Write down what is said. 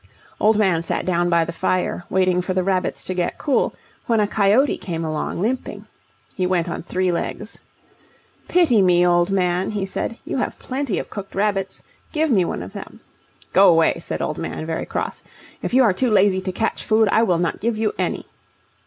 Old Man sat down by the fire, waiting for the rabbits to get cool, when a coyote came along, limping. He went on three legs. "Pity me, Old Man," he said. "You have plenty of cooked rabbits, give me one of them." "Go away," said Old Man, very cross; "if you are too lazy to catch food, I will not give you any."